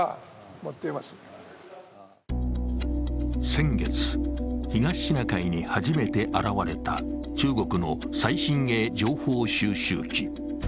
先月、東シナ海に初めて現れた中国の最新鋭情報収集機。